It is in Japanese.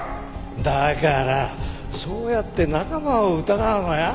だからそうやって仲間を疑うのはやめな。